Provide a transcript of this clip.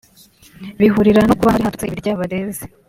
bihurirana no kuba hari hadutse ibiryabarezi